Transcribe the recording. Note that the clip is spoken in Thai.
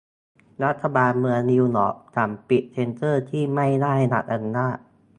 รัฐบาลเมืองนิวยอร์ก สั่งปิดเซ็นเซอร์ที่ไม่ได้รับอนุญาต